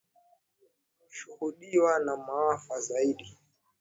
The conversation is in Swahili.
shuhudiwa na maafa zaidi